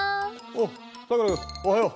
おはよう。